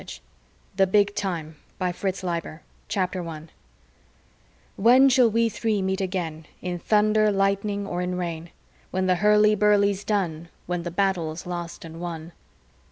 _ Illustrated by FINLAY CHAPTER 1 When shall we three meet again In thunder, lightning, or in rain? When the hurlyburly's done. When the battle's lost and won.